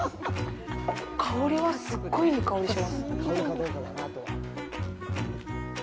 香りは、すっごいいい香りします。